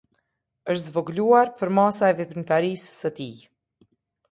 Është zvogëluar përmasa e veprimtarisë së tij.